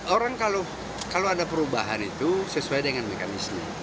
orang kalau ada perubahan itu sesuai dengan mekanisme